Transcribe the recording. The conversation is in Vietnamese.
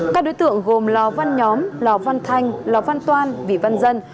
các đối tượng gồm lò văn nhóm lò văn thanh lò văn toan vì văn dân